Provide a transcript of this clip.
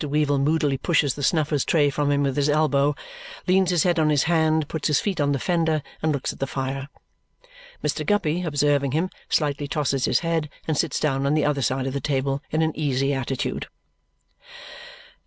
Weevle moodily pushes the snuffers tray from him with his elbow, leans his head on his hand, puts his feet on the fender, and looks at the fire. Mr. Guppy, observing him, slightly tosses his head and sits down on the other side of the table in an easy attitude.